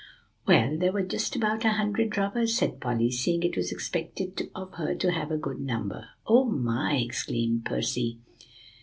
"Well, there were just about a hundred robbers," said Polly, seeing it was expected of her to have a good number. "Oh, my!" exclaimed Percy.